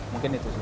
mungkin itu saja